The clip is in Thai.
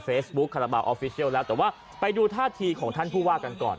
คาราบาลออฟฟิเซียลแล้วแต่ว่าไปดูท่าทีของท่านผู้ว่ากันก่อน